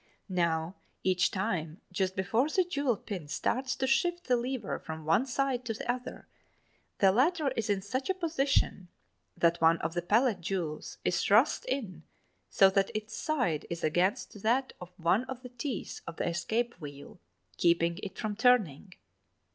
Now, each time just before the jewel pin starts to shift the lever from one side to the other, the latter is in such a position that one of the pallet jewels is thrust in so that its side is against that of one of the teeth of the escape wheel, keeping it from turning.